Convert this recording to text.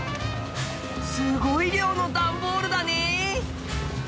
すごい量の段ボールだね。